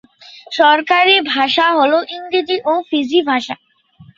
সরকারি ভাষা হলো ইংরেজ ও ফিজি ভাষা।